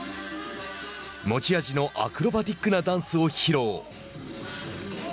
持ち味のアクロバティックなダンスを披露。